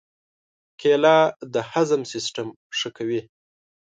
کېله د هضم سیستم ښه کوي.